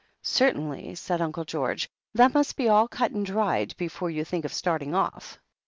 "Certainly," said Uncle George, "that must be all cut and dried before you think of starting off."